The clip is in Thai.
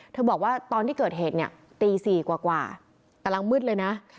เธอบอกว่าตอนที่เกิดเหตุเนี้ยตีสี่กว่ากว่าตลังมืดเลยนะค่ะ